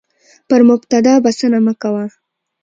پر مبتدا بسنه مه کوه،